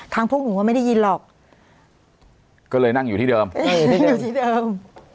พวกหนูก็ไม่ได้ยินหรอกก็เลยนั่งอยู่ที่เดิมอยู่ที่เดิม